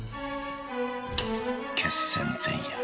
決戦前夜